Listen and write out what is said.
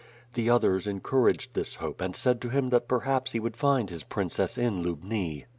The others encouraged this hope and said to him that perhaps he would find his princess in Lubni.